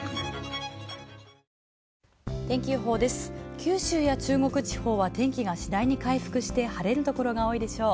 九州や中国地方は天気が次第に回復して晴れるところが多いでしょう。